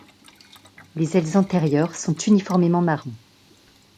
Les ailes antérieures sont uniformément marron.